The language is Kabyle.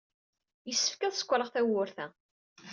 Yessefk ad sekṛeɣ tawwurt-a.